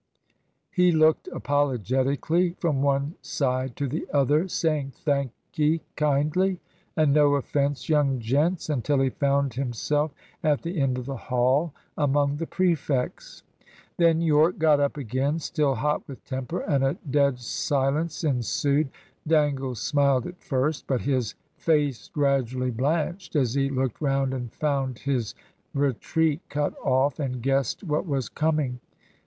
He looked apologetically from one side to the other, saying, "Thank'ee kindly," and "No offence, young gents," until he found himself at the end of the Hall among the prefects. Then Yorke got up again, still hot with temper, and a dead silence ensued. Dangle smiled at first. But his face gradually blanched as he looked round and found his retreat cut off, and guessed what was coming.